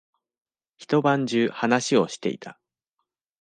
一晩中話をしていた。